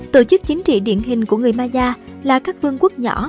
tổ chức chính trị điển hình của người maya là các vương quốc nhỏ